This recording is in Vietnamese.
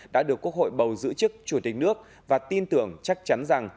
đã được quốc hội bầu giữ chức chủ tịch nước và tin tưởng chắc chắn rằng